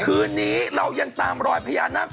คืนนี้เรายังตามรอยพญานาค